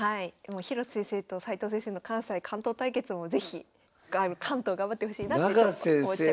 広瀬先生と斎藤先生の関西・関東対決も是非関東頑張ってほしいなって思っちゃいますね。